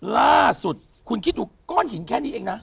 ล่าสุดคุณคิดดูก้อนหินแค่นี้เองนะ